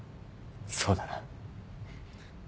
そうだな。